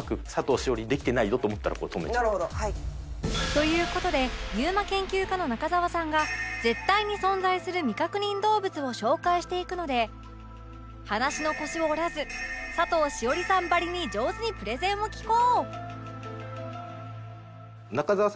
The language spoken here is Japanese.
という事で ＵＭＡ 研究家の中沢さんが絶対に存在する未確認動物を紹介していくので話の腰を折らず佐藤栞里さんばりに上手にプレゼンを聞こう！